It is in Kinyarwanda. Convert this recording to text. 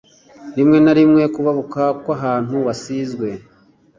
rimwe na rimwe kubabuka kw'ahantu wasizwe.